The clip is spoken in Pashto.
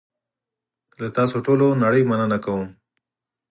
له تاسوټولونړۍ مننه کوم .